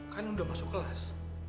kan udah masuk kelas